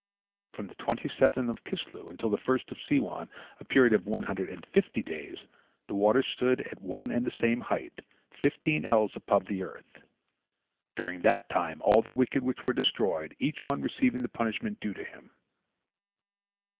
From the twenty seventh of Kislew until the first of Siwan, a period of one hundred and fifty days, the water stood at one and the same height, fifteen ells above the earth. During that time all the wicked were destroyed, each one receiving the punishment due to him.